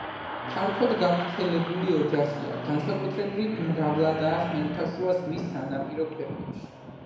ფართოდ გავრცელებული ოჯახია, განსაკუთრებით მრავლადაა ხმელთაშუა ზღვის სანაპირო ქვეყნებში.